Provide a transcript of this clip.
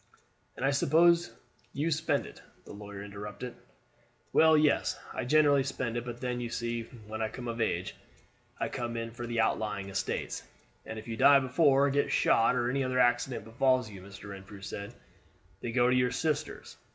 "And I suppose you spend it," the lawyer interrupted. "Well, yes, I generally spend it; but then, you see, when I come of age I come in for the outlying estates." "And if you die before, or get shot, or any other accident befalls you," Mr. Renfrew said, "they go to your sisters.